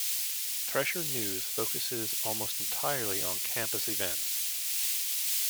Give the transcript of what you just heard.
"Thresher" News focuses almost entirely on campus events.